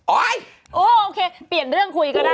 โอเคเปลี่ยนเรื่องคุยก็ได้